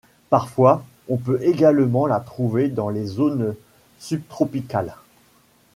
Parfois, on peut également la trouver dans les zones subtropicales.